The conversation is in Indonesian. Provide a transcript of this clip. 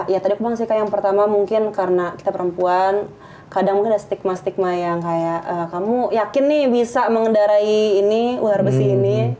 ya tadi bang sih yang pertama mungkin karena kita perempuan kadang mungkin ada stigma stigma yang kayak kamu yakin nih bisa mengendarai ini ular besi ini